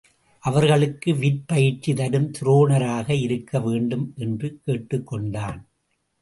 அவர்களுக்கு விற்பயிற்சி தரும் துரோணராக இருக்க வேண்டும் என்று கேட்டுக் கொண்டான்.